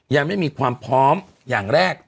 ยังไม่มีความพร้อมอย่างแรก